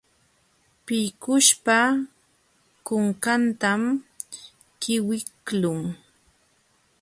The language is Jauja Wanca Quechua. Pillkuśhpa kunkantam qiwiqlun.